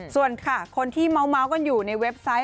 ส่วนค่ะคนที่เมาส์กันอยู่ในเว็บไซต์